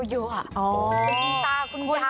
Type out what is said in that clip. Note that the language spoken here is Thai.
อ๋อคุณตาคุณยาย